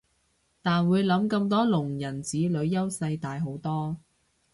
但會諗咁多聾人子女優勢大好多